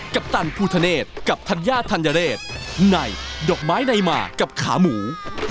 กัปตันพูทะเนธกับทันยาทันยะเรศไหนดอกไม้ในมากกับขาหมู